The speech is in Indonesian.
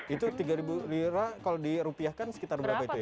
itu tiga ribu lira kalau dirupiahkan sekitar berapa itu ya